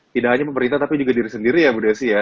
tidak hanya pemerintah tapi juga diri sendiri ya bu desi ya